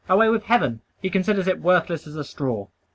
Away with heaven: he considers it worthless as a straw!